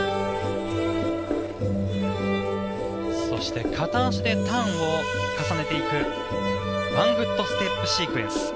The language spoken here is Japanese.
そして片足でターンを重ねていくワンフットステップシークエンス。